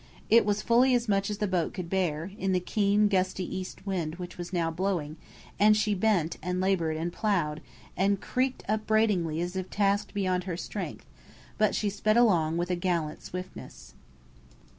It was fully as much as the boat could bear, in the keen, gusty east wind which was now blowing, and she bent, and laboured, and ploughed, and creaked upbraidingly as if tasked beyond her strength; but she sped along with a gallant swiftness.